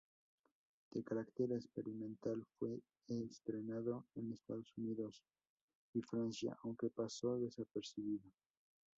De carácter experimental, fue estrenado en Estados Unidos y Francia aunque pasó desapercibido.